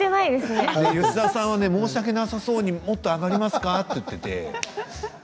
吉田さんは申し訳なさそうにもっと上がりますか？